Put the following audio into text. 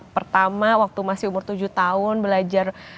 pertama waktu masih umur tujuh tahun belajar